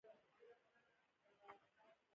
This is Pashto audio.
راټولوم